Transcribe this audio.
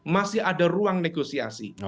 masih ada ruang negosiasi